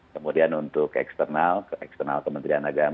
kemudian untuk eksternal ke eksternal kementerian agama